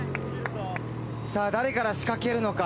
誰から仕掛けるのか。